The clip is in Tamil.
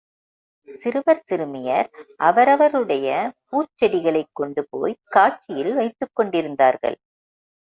சிறுவர் சிறுமியர் அவரவருடைய பூச்செடிகளைக் கொண்டுபோய்க் காட்சியில் வைத்துக் கொண்டிருந்தார்கள்.